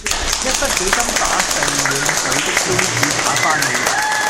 一不小心把盛滿水的杯子打翻了